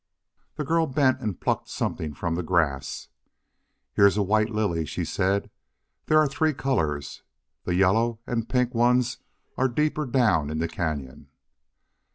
The girl bent and plucked something from the grass. "Here's a white lily," she said. "There are three colors. The yellow and pink ones are deeper down in the cañon."